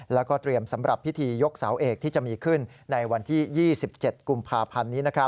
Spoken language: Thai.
แล้วก็เตรียมสำหรับพิธียกเสาเอกที่จะมีขึ้นในวันที่๒๗กุมภาพันธ์นี้